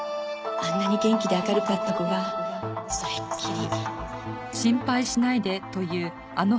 あんなに元気で明るかった子がそれっきり。